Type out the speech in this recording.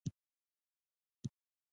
یوه پر بل اغېز لري